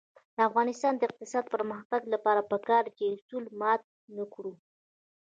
د افغانستان د اقتصادي پرمختګ لپاره پکار ده چې اصول مات نکړو.